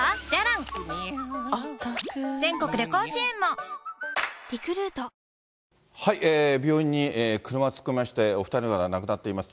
新「ＥＬＩＸＩＲ」病院に車が突っ込みまして、お２人の方が亡くなっています。